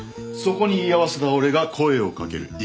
そこに居合わせた俺が声を掛ける。